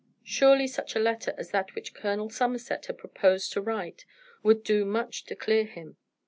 Surely such a letter as that which Colonel Somerset had proposed to write would do much to clear him.